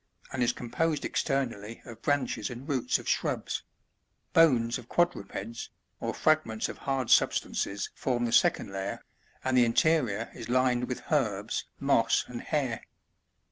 and is composed externally of branches and roots of shrubs ; bones of quadrupeds, or fragments of hard substances form the second layer, and the interior is lined with herbs, moss, and hair.